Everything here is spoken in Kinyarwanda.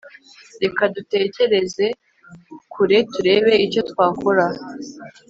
reka dutekereze kure turebe icyo twakora